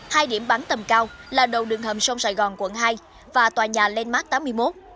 hai điểm bắn tầm cao là đầu đường hầm sông sài gòn quận hai và tòa nhà landmark tám mươi một